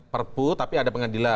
perpu tapi ada pengadilan